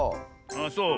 あっそう。